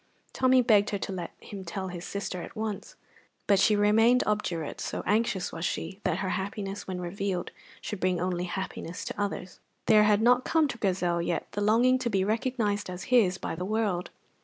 Tommy begged her to let him tell his sister at once; but she remained obdurate, so anxious was she that her happiness, when revealed, should bring only happiness to others. There had not come to Grizel yet the longing to be recognized as his by the world.